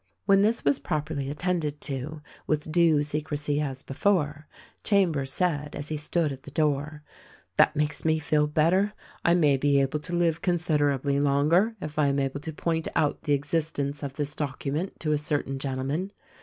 When this was properly attended to, with due secrecy as before, Chambers said — as he stood at the door — "That makes me feel better. I may be able to live considerably longer if I am able to point out the existence of this docu ment to a certain gentleman.